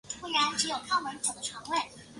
施魏根是德国巴伐利亚州的一个市镇。